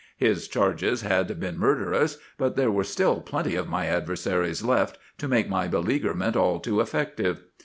His charge had been murderous, but there were still plenty of my adversaries left to make my beleaguerment all too effective.